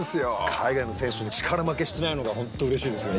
海外の選手に力負けしてないのが本当うれしいですよね。